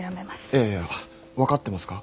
いやいや分かってますか？